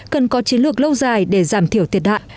cần có chiến lược lâu dài để giảm thiểu tiệt đại